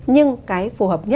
nhưng cái phù hợp này là